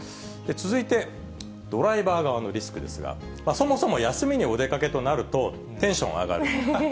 続いて、ドライバー側のリスクですが、そもそも休みにお出かけとなるとテンション上がる。